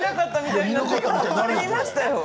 いましたよ。